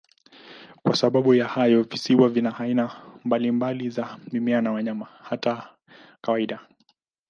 Kwa sababu ya hayo, visiwa vina aina mbalimbali za mimea na wanyama, hata kawaida.